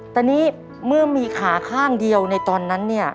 แต่นี่เมื่อมีขาข้างเดียวในตอนนั้นเนี่ย